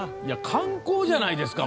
観光じゃないですか！